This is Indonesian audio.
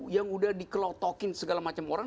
yang udah dikelotokin segala macam orang